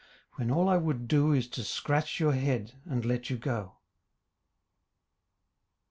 When all I would do Is to scratch your head And let you go.